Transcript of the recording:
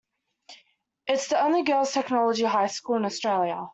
It's the only girls Technology high school in Australia.